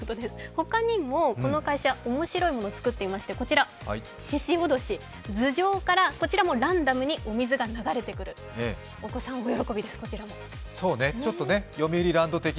他にもこの会社、面白いものを作っていましてししおどし、頭上からこちらもランダムにお水が流れてくる、お子さん、こちらも大喜びです。